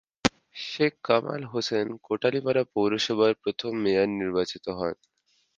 শেখ কামাল হোসেন কোটালীপাড়া পৌরসভার প্রথম মেয়র নির্বাচিত হন।